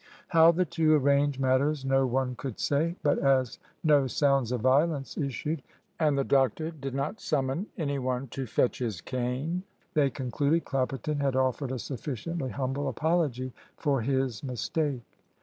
How the two arranged matters no one could say. But as no sounds of violence issued, and the doctor did not summon any one to fetch his cane, they concluded Clapperton had offered a sufficiently humble apology for his mistake.